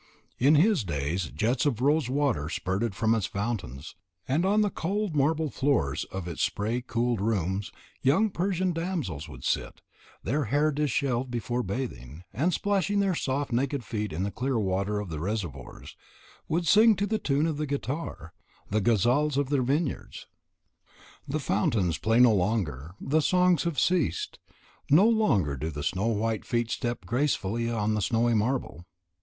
In his days jets of rose water spurted from its fountains, and on the cold marble floors of its spray cooled rooms young Persian damsels would sit, their hair dishevelled before bathing, and, splashing their soft naked feet in the clear water of the reservoirs, would sing, to the tune of the guitar, the ghazals of their vineyards. The fountains play no longer; the songs have ceased; no longer do snow white feet step gracefully on the snowy marble.